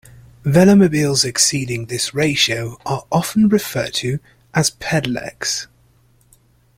Velomobiles exceeding this ratio are often referred to as a pedelecs.